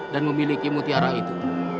dan memiliki mutiara itu